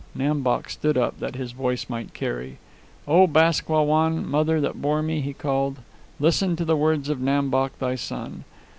Nam Bok stood up that his voice might carry. "O Bask Wah Wan, mother that bore me!" he called. "Listen to the words of Nam Bok, thy son.